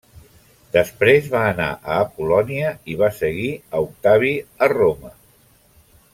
Després va anar a Apol·lònia i va seguir a Octavi a Roma.